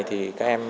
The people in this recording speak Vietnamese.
thì các em sinh viên